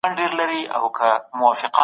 نوی استازی څنګه معرفي کیږي؟